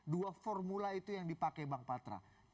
dua formula itu yang dipakai bang patra